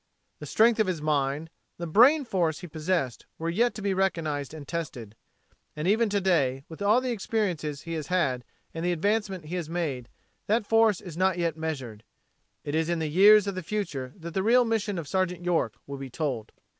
The strength of his mind, the brain force he possessed were yet to be recognized and tested. And even to day, with all the experiences he has had and the advancement he has made, that force is not yet measured. It is in the years of the future that the real mission of Sergeant York will be told.